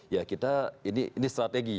ya kita ini strategi